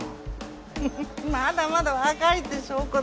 フフッまだまだ若いって証拠ね。